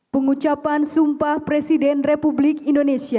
pengucapan sumpah presiden republik indonesia